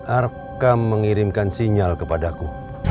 arkam mengirimkan sinyal kepadaku